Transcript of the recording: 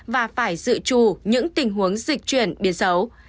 và phải dự trù những tình huống dịch chuyển biến xấu